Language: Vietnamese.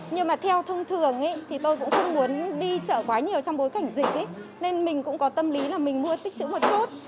nhưng mà theo thông thường thì tôi cũng không muốn đi chợ quá nhiều trong bối cảnh dịch nên mình cũng có tâm lý là mình mua tích chữ một chút